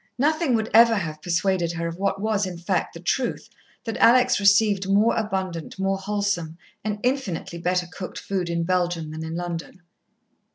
Nothing would ever have persuaded her of what was, in fact, the truth, that Alex received more abundant, more wholesome, and infinitely better cooked food in Belgium than in London.